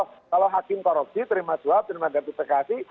kalau hakim korupsi terima suap terima kartu fiskasi